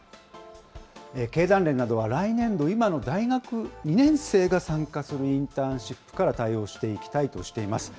経団連などは、来年度、今の大学２年生が参加するインターンシップから対応していきたいとしています。